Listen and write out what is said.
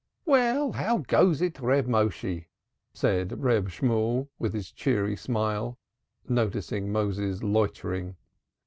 "Well, how goes it, Reb Méshe?" said Reb Shemuel with his cheery smile, noticing Moses loitering.